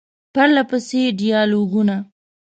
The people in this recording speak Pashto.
پرله پسې ډیالوګونه ،